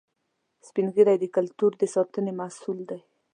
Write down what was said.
سپین ږیری د کلتور د ساتنې مسؤل دي